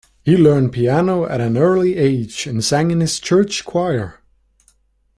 He learned piano at an early age and sang in his church choir.